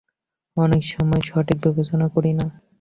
অনেক সময় সঠিক বিবেচনা করি না।